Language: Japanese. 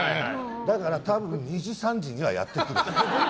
だから多分２時か３時にはやってくると。